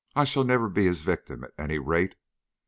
I shall never be his victim, at any rate.